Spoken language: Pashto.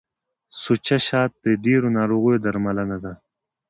سوچه شات د ډیرو ناروغیو درملنه ده.